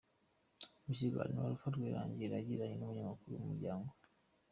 Mu kiganiro Alpha Rwirangira yagiranye n’umunyamakuru wa Umuryango.